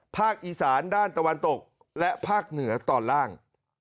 ภาคอีสานด้านตะวันตกและภาคเหนือตอนล่าง